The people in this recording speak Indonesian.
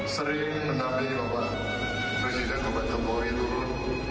sering mendampingi bapak presiden bapak jokowi turun